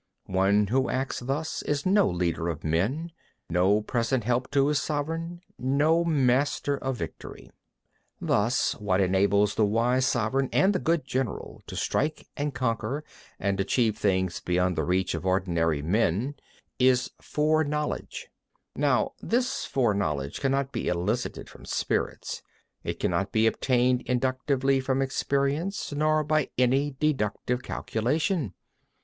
3. One who acts thus is no leader of men, no present help to his sovereign, no master of victory. 4. Thus, what enables the wise sovereign and the good general to strike and conquer, and achieve things beyond the reach of ordinary men, is foreknowledge. 5. Now this foreknowledge cannot be elicited from spirits; it cannot be obtained inductively from experience, nor by any deductive calculation.